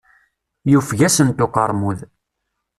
Yufeg-asent uqermud.